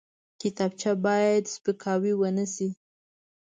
کتابچه باید سپکاوی ونه شي